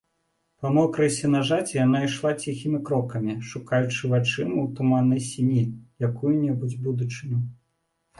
Па мокрай сенажаці яна ішла ціхімі крокамі, шукаючы вачыма ў туманнай сіні якую-небудзь будыніну.